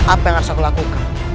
apa yang harus aku lakukan